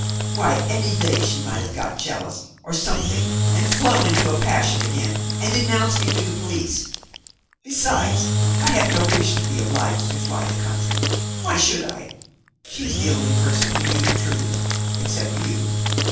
Why, any day she might have got jealous, or something, and flown into a passion again, and denounced me to the police. Besides, I have no wish to be obliged to fly the country. Why should I? She was the only person who knew the truth; except you.